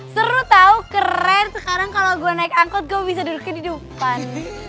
seru tau keren sekarang kalo gue naik angkot gue bisa duduknya di depan